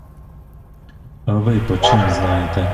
А ви почім знаєте?